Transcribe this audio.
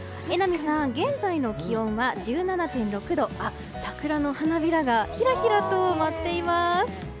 現在の気温は１７．６度と桜の花びらがひらひらと舞っています！